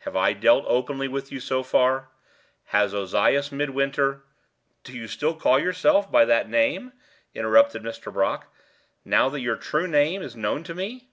"Have I dealt openly with you so far. Has Ozias Midwinter " "Do you still call yourself by that name," interrupted Mr. Brock, "now your true name is known to me?"